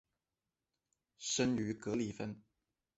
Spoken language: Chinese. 生于格里芬。